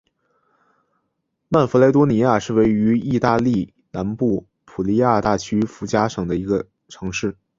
曼弗雷多尼亚是位于义大利南部普利亚大区福贾省的一个城市。